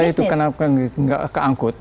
bisa itu karena nggak keangkut